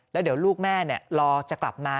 แล้วเดี๋ยวลูกแม่รอจะกลับมา